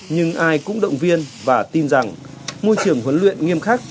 nhưng ai cũng động viên và tin rằng môi trường huấn luyện nghiêm khắc